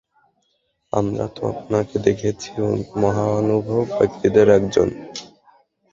আমরা তো আপনাকে দেখছি মহানুভব ব্যক্তিদের একজন।